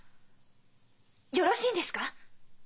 よろしいんですか？